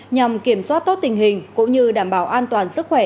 nhằm kiểm soát tốt tình hình cũng như đảm bảo an toàn sức khỏe